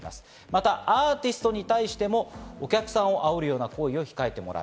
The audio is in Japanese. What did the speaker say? アーティストに対しても、お客さんをあおるような行為を控えてもらう。